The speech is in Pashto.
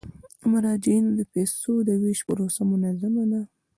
د مراجعینو د پيسو د ویش پروسه منظمه ده.